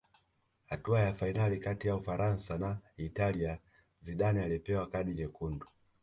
hatua ya fainali kati ya ufaransa na italia zidane alipewa kadi nyekundu